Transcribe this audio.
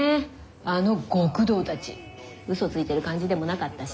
あの極道たちうそついてる感じでもなかったし。